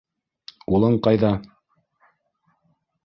Улың ҡайҙа?